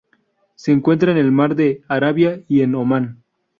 Se encuentra en el mar de Arabia y en Omán.